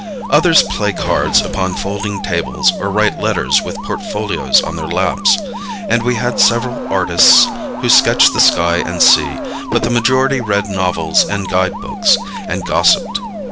Others play cards upon folding tables or write letters with portfolios on their laps, and we had several artists who sketched the sky and sea, but the majority read novels and guide books, and gossiped.